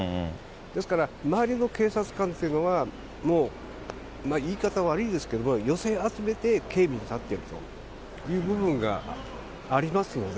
ですから周りの警察官っていうのは、言い方悪いんですけれども、寄せ集めて警備に当たっているという部分がありますので。